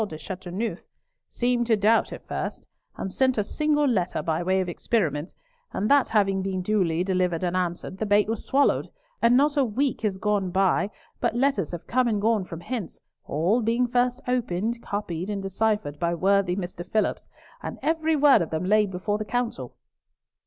de Chateauneuf, seemed to doubt at first, and sent a single letter by way of experiment, and that having been duly delivered and answered, the bait was swallowed, and not a week has gone by but letters have come and gone from hence, all being first opened, copied, and deciphered by worthy Mr. Phillipps, and every word of them laid before the Council."